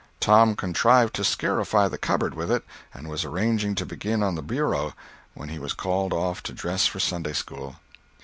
Tom contrived to scarify the cupboard with it, and was arranging to begin on the bureau, when he was called off to dress for Sunday school.